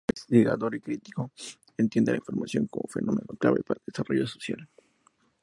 Investigador y crítico, entiende la información como fenómeno clave para el desarrollo social.